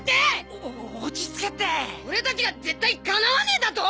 お落ちつけって俺たちが絶対敵わねえだと！？